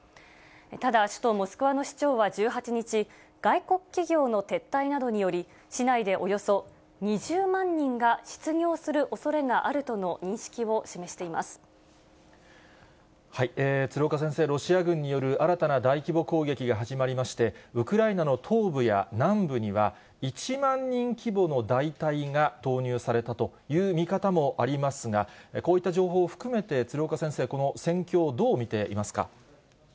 ただ、首都モスクワの市長は１８日、外国企業の撤退などにより、市内でおよそ２０万人が失業するおそれがあるとの認識を示してい鶴岡先生、ロシア軍による新たな大規模攻撃が始まりまして、ウクライナの東部や南部には、１万人規模の大隊が投入されたという見方もありますが、こういった情報を含めて、鶴岡先生、この戦況をどう見ていますか。